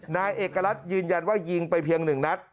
นายเอกรัฐยืนยันว่ายิงไปเพียง๑นัด